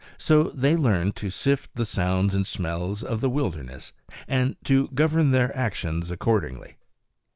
So they learn to sift the sounds and smells of the wilderness, and to govern their actions accordingly.